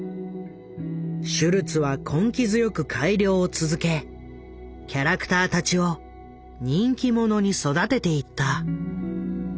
シュルツは根気強く改良を続けキャラクターたちを人気者に育てていった。